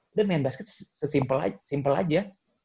udah main basket sesimple aja